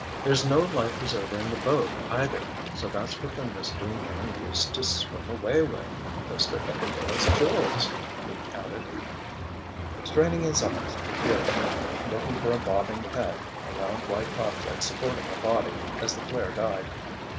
"There's no life preserver in the boat either—so that's what the mystery man used to swim away with—Mr. Everdail's jewels!" he added. Straining his eyes, he peered, looking for a bobbing head, a round white object supporting a body, as the flare died.